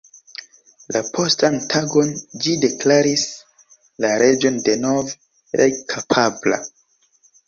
La postan tagon ĝi deklaris la reĝon denove reg-kapabla.